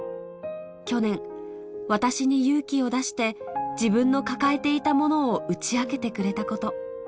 去年、私に勇気を出して自分の抱えていたものを打ち明けてくれたこと。